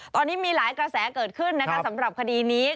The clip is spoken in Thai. ตอนนี้มีหลายกระแสเกิดขึ้นนะคะสำหรับคดีนี้